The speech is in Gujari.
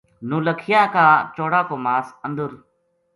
نولکھیا کا چوڑا کو ماس اندر